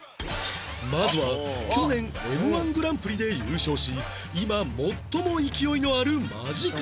まずは去年 Ｍ−１ グランプリで優勝し今最も勢いのあるマヂカルラブリー